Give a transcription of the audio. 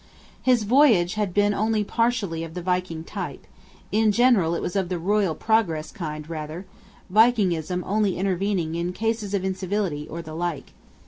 His voyage had been only partially of the Viking type; in general it was of the Royal Progress kind rather; Vikingism only intervening in cases of incivility or the like.